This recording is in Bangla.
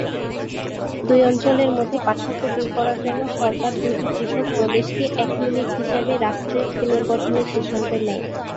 দুই অঞ্চলের মধ্যে পার্থক্য দূর করার জন্য সরকার দুইটি পৃথক প্রদেশকে এক ইউনিট হিসেবে রাষ্ট্রের পুনর্গঠনের সিদ্ধান্ত নেয়।